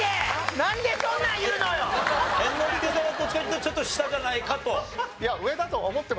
猿之助さんはどっちかっていうとちょっと下じゃないかと。